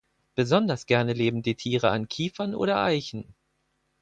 Besonders gerne leben die Tiere an Kiefern oder Eichen.